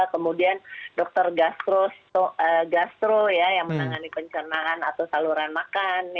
kemudian dokter gastro gastro yang menangani pencernaan atau saluran makan